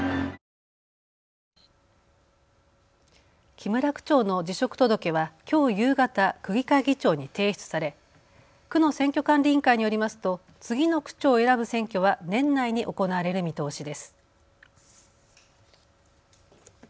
木村区長の辞職届はきょう夕方、区議会議長に提出され区の選挙管理員会によりますと次の区長を選ぶ選挙は年内に行われる見通しです。